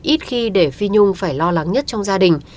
ít khi để phi nhung phải lo lắng nhất trong gia đình